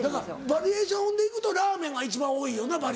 バリエーションでいくとラーメンが一番多いよな。